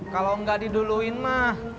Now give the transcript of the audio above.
kalau gak diduluin mah